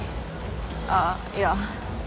あっいや。